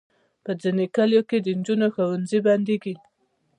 په ځینو کلیو کې د انجونو ښوونځي بندېږي.